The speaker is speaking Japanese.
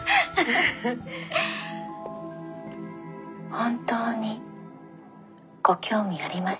本当にご興味ありましたら。